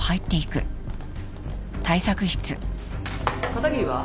片桐は？